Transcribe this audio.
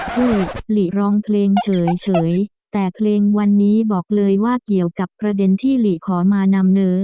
คือหลีร้องเพลงเฉยแต่เพลงวันนี้บอกเลยว่าเกี่ยวกับประเด็นที่หลีขอมานำเนอ